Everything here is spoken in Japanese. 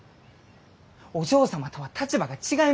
お嬢様とは立場が違いますき！